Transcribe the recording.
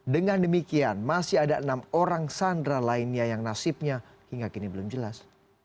dengan demikian masih ada enam orang sandera lainnya yang nasibnya hingga kini belum jelas